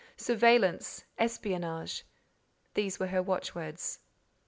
"Surveillance," "espionage,"—these were her watchwords.